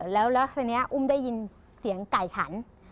แล้วทีนี้อุ้มได้ยินเสียงไก่ขัน